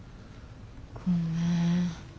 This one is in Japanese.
ごめん。